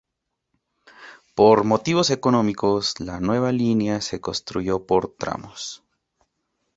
Por motivos económicos, la nueva línea se construyó por tramos.